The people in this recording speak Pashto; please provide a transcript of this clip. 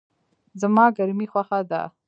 زما ګرمی خوښه ده